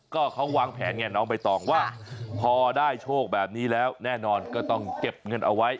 ก็เขาวางแผนไงน้องใบตองว่าพอได้โชคแบบนี้แล้วแน่นอนก็ต้องเก็บเงินเอาไว้